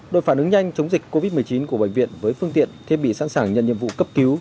đội phản ứng nhanh chống dịch covid một mươi chín của bệnh viện với phương tiện thiết bị sẵn sàng nhận nhiệm vụ cấp cứu